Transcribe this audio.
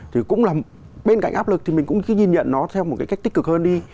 thì cũng là bên cạnh áp lực thì mình cũng cứ nhìn nhận nó theo một cái cách tích cực hơn đi